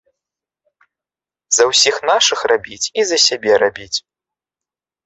За ўсіх нашых рабіць і за сябе рабіць.